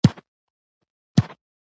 مرستیال لغتونه خپلواک نه دي.